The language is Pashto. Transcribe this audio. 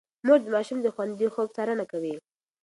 مور د ماشوم د خوندي خوب څارنه کوي.